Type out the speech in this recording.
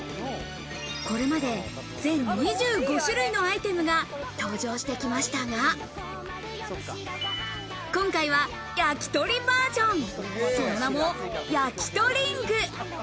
これまで全２５種類のアイテムが登場してきましたが、今回は焼き鳥バージョン、その名も、やきとりング。